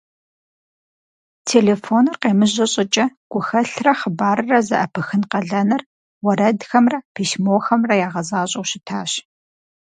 Телефоныр къемыжьэ щӀыкӀэ, гухэлърэ хъыбаррэ зэӀэпыхын къалэныр уэрэдхэмрэ письмохэмрэ ягъэзащӀэу щытащ.